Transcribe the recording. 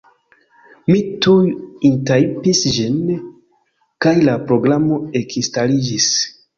Mi tuj entajpis ĝin, kaj la programo ekinstaliĝis.